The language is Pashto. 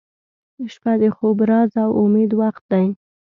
• شپه د خوب، راز، او امید وخت دی